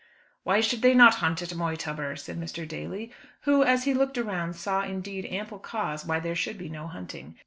"Why should they not hunt at Moytubber?" said Mr. Daly, who, as he looked around saw indeed ample cause why there should be no hunting.